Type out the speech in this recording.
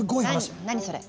何何それ？